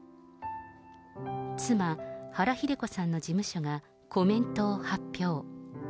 妻、原日出子さんの事務所がコメントを発表。